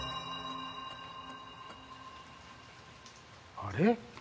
あれ？